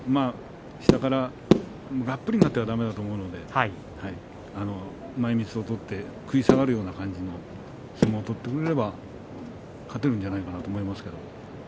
下からがっぷりになってはだめだと思いますけれど前みつを取って食い下がるような感じで相撲を取ってくれれば勝てるんじゃないかと思いますけれど。